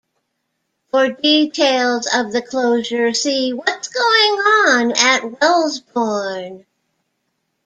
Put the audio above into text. For details of the closure, see 'What's Going on at Wellesbourne?'.